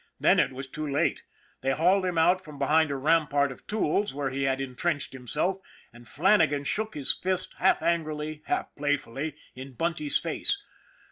Then it was too late. They hauled him out from behind a rampart of tools, where he had intrenched himself, and Flannagan shook his fist, half angrily, half playfully, in Bunty's face.